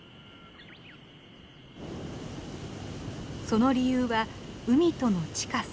その理由は海との近さ。